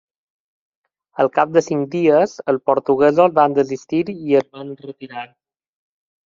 Al cap de cinc dies, els portuguesos van desistir i es van retirar.